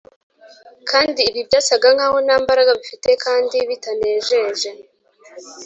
kandi ibi byasaga nk’aho nta mbaraga bifite kandi bitanejeje